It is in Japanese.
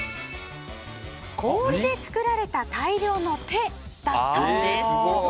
氷で作られた大量の手だったんです。